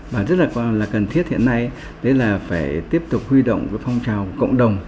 và rất là cần thiết hiện nay đấy là phải tiếp tục huy động cái phong trào cộng đồng